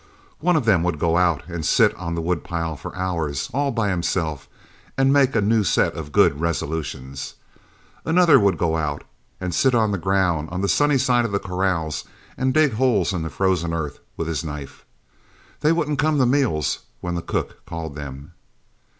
One of them would go out and sit on the wood pile for hours, all by himself, and make a new set of good resolutions. Another would go out and sit on the ground, on the sunny side of the corrals, and dig holes in the frozen earth with his knife. They wouldn't come to meals when the cook called them.